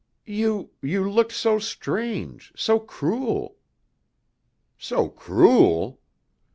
"You you looked so strange, so cruel." "So cruel!"